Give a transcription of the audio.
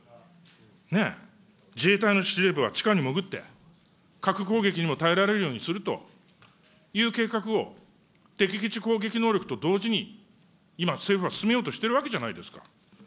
ねえ、自衛隊の司令部は地下にもぐって、核攻撃にも耐えられるようにするという計画を敵基地攻撃能力と同時に、今、政府は進めようとしているわけじゃないですか。